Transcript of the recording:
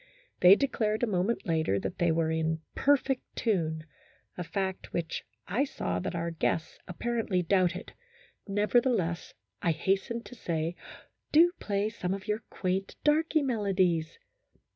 They declared a moment later that they were in 2IO THE HISTORY OF A HAPPY THOUGHT. perfect tune a fact which I saw that our guests apparently doubted ; nevertheless, I hastened to say, " Do play some of your quaint darkey melodies."